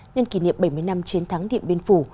nhân kỷ niệm bảy mươi năm chiến thắng điện biên phủ